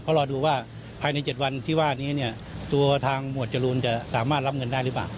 เพราะรอดูว่าภายใน๗วันที่ว่านี้เนี่ยตัวทางหมวดจรูนจะสามารถรับเงินได้หรือเปล่า